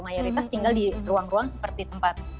mayoritas tinggal di ruang ruang seperti tempat